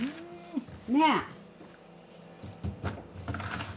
ねえ。